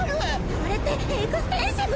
あれってエクステンシブ！？